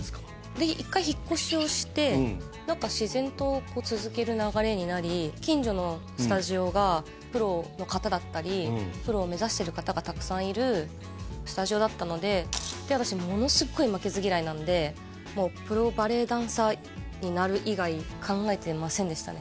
で一回引っ越しをして何か自然とこう続ける流れになり近所のスタジオがプロの方だったりプロを目指してる方がたくさんいるスタジオだったのでで私ものすごい負けず嫌いなんでもうプロバレエダンサーになる以外考えてませんでしたね